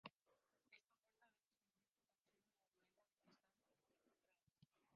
Esta puerta a veces consiste tan solo en la luneta de cristal trasera.